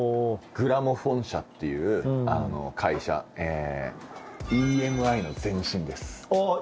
グラモフォン社っていう会社ＥＭＩの前身です。